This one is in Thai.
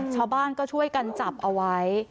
ชาวบ้านก็ช่วยกันจับเอาไว้